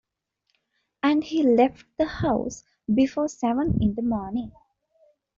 And he left the house before seven in the morning.